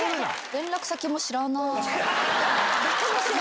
連絡先も知らなーい。